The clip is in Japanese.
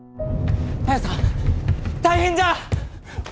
綾さん大変じゃ！